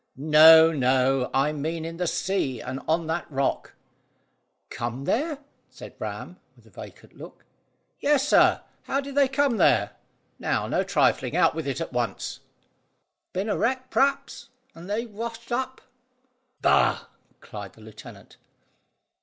"No, no; I mean in the sea and on that rock." "Come there?" said Ram, with a vacant look. "Yes, sir! How did they come there? Now, no trifling; out with it at once." "Been a wreck, p'r'aps, and they're washed up." "Bah!" cried the lieutenant.